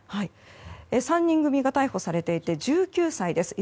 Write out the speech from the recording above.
３人組が逮捕されていていずれも１９歳です。